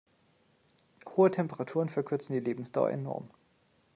Hohe Temperaturen verkürzen die Lebensdauer enorm.